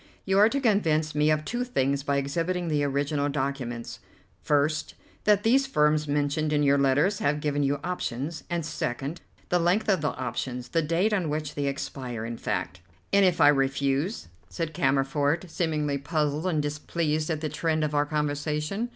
"You are to convince me of two things by exhibiting the original documents: first, that these firms mentioned in your letters have given you options; and second, the length of the options, the date on which they expire, in fact." "And if I refuse?" said Cammerford, seemingly puzzled and displeased at the trend of our conversation.